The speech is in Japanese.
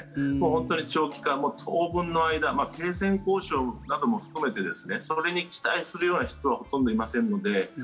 本当に長期間、当分の間停戦交渉なども含めてそれに期待するような人はほとんどいませんので。